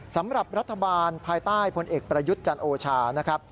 สำหรับรัฐบาลภายใต้พลเอกประยุทธ์จันโอชานะครับ